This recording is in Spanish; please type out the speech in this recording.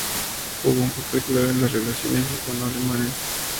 Jugó un papel clave en las relaciones hispano-alemanes.